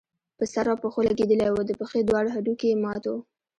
په سر او پښو لګېدلی وو، د پښې دواړه هډوکي يې مات وو